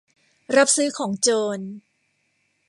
รับซื้อของโจร